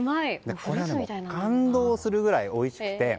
これは、もう感動するぐらいおいしくて。